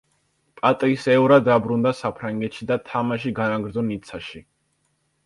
პატრის ევრა დაბრუნდა საფრანგეთში და თამაში განაგრძო ნიცაში.